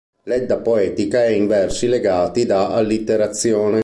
L'Edda poetica è in versi legati da allitterazione.